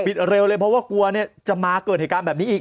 เร็วเลยเพราะว่ากลัวเนี่ยจะมาเกิดเหตุการณ์แบบนี้อีก